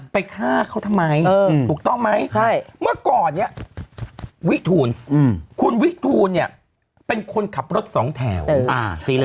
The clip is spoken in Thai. ไปฆ่าเขาทำไมถูกต้องไหม